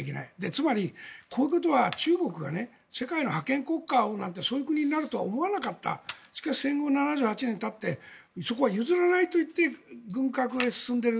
つまりこういうことは中国が世界の覇権国家をなんてそういう国になるとは思わなかったしかし戦後７８年たってそこは譲らないといって軍拡へ進んでいる。